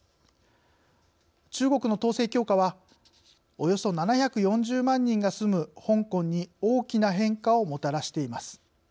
中国の統制強化はおよそ７４０万人が住む香港に大きな変化をもたらしています。